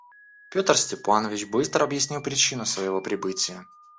Петр Степанович быстро объяснил причину своего прибытия.